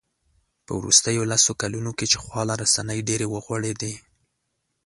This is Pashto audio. په وروستیو لسو کلونو کې چې خواله رسنۍ ډېرې وغوړېدې